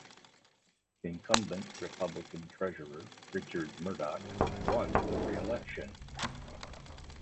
Incumbent Republican Treasurer Richard Mourdock won reelection.